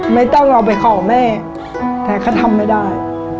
ไม่ต้องเอาไปขอแม่แต่เขาทำไม่ได้